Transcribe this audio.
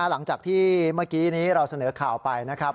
หลังจากที่เมื่อกี้นี้เราเสนอข่าวไปนะครับ